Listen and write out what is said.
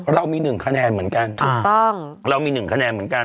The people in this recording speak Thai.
เรามี๑คะแนนเหมือนกัน